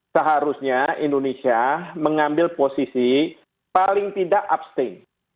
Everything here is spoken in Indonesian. seharusnya indonesia mengambil posisi paling tidak abstain